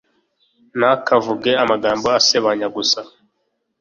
ntukavunge amagambo asebanya gusa